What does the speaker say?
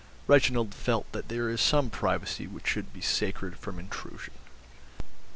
Reginald felt that there is some privacy which should be sacred from intrusion.